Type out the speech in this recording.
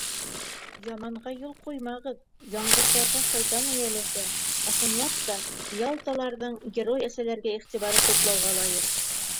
Яманға юл ҡуймағыҙ, Яңғыҙҙарға шайтан эйәләшә, Ысынлап та, ялталарҙың Герой әсәләргә иғтибары хуплауға лайыҡ.